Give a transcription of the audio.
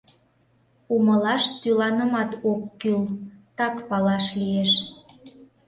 Умылаш тӱланымат ок кӱл, так палаш лиеш.